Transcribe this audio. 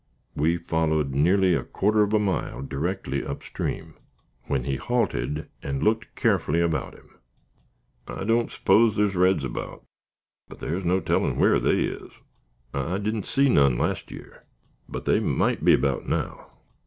We followed nearly a quarter of a mile directly up stream, when he halted, and looked carefully about him. "I don't s'pose thar's reds 'bout, but thar's no tellin' whar they is. I didn't see none last year, but they mought be 'bout now.